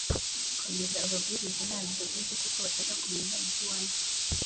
Komeza ubabwireko ntabyo uzi kuko bashaka kumenya ibyiwanyu